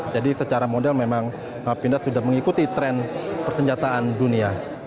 jadi secara model memang pindad sudah mengikuti tren persenjataan dunia